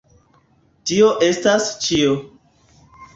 Tio estas ĉio.